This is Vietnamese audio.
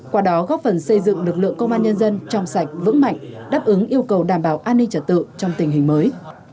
qua đó góp phần xây dựng lực lượng công an nhân dân trong sạch vững mạnh đáp ứng yêu cầu đảm bảo an ninh trật tự trong tình hình mới